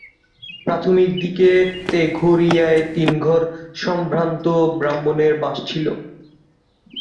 প্রাথমিক দিকে তেঘরীয়ায় তিন ঘর সম্ভ্রান্ত ব্রাহ্মণের বাস ছিল।